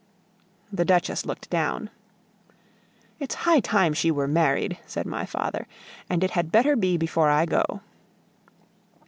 The Duchess looked down. "It's high time she were married," said my father, "and it had better be before I go."